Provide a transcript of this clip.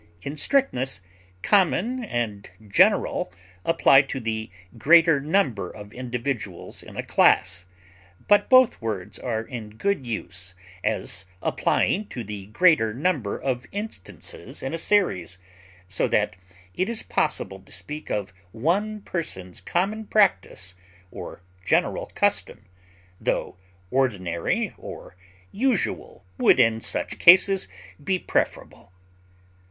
In strictness, common and general apply to the greater number of individuals in a class; but both words are in good use as applying to the greater number of instances in a series, so that it is possible to speak of one person's common practise or general custom, tho ordinary or usual would in such case be preferable.